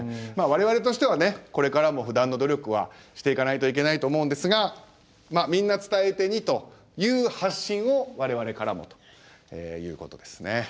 まあ我々としてはねこれからも不断の努力はしていかないといけないと思うんですが「みんな伝え手に」という発信を我々からもということですね。